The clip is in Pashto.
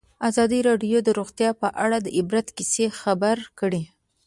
ازادي راډیو د روغتیا په اړه د عبرت کیسې خبر کړي.